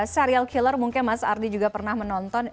serial killer mungkin mas ardi juga pernah menonton